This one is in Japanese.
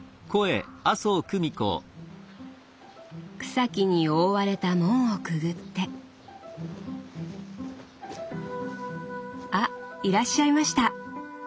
草木に覆われた門をくぐってあいらっしゃいました。